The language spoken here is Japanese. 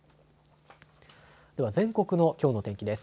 では全国のきょうの天気です。